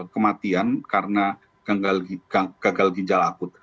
kematian karena gagal ginjal akut